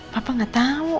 papa enggak tahu